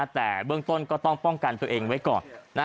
แต่เบื้องต้นก็ต้องป้องกันตัวเองไว้ก่อน